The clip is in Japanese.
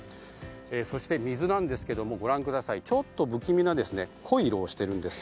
そして、水なんですがちょっと不気味な濃い色をしているんです。